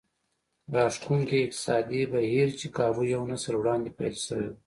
راښکوونکي اقتصادي بهير چې کابو يو نسل وړاندې پيل شوی و.